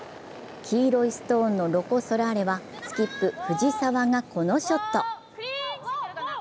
黄色いストーンのロコ・ソラーレはスキップ・藤澤がこのショット。